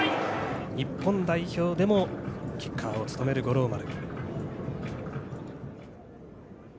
日本代表でもキッカーを務める五郎丸。